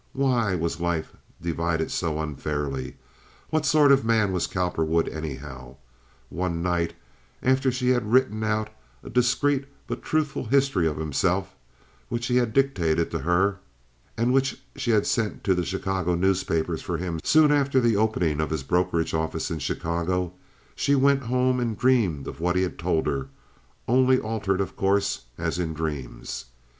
Why was life divided so unfairly? What sort of a man was Cowperwood, anyhow? One night after she had written out a discreet but truthful history of himself which he had dictated to her, and which she had sent to the Chicago newspapers for him soon after the opening of his brokerage office in Chicago, she went home and dreamed of what he had told her, only altered, of course, as in dreams.